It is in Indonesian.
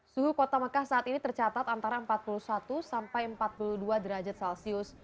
suhu kota mekah saat ini tercatat antara empat puluh satu sampai empat puluh dua derajat celcius